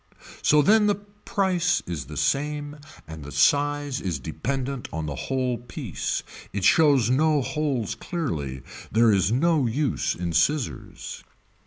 So then the price is the same and the size is dependent on the whole piece. It shows no holes clearly. There is no use in scissors.